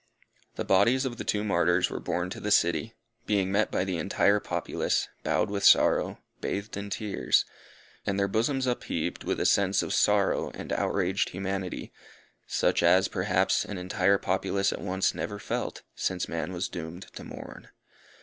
The bodies of the two martyrs were borne to the city; being met by the entire populace, bowed with sorrow, bathed in tears, and their bosoms upheaved with a sense of sorrow and outraged humanity, such as, perhaps, an entire populace at once never felt, since man was doomed to mourn.